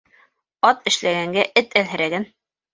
Ат эшләгәнгә эт әлһерәгән.